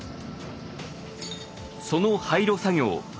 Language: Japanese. その廃炉作業